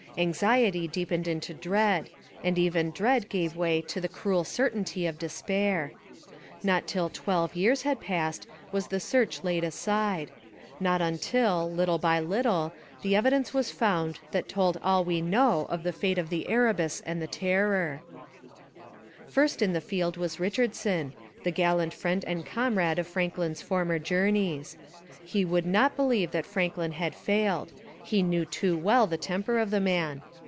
Anxiety deepened into dread, and even dread gave way to the cruel certainty of despair. Not till twelve years had passed was the search laid aside: not until, little by little, the evidence was found that told all that we know of the fate of the Erebus and the Terror. First in the field was Richardson, the gallant friend and comrade of Franklin's former journeys. He would not believe that Franklin had failed. He knew too well the temper of the man.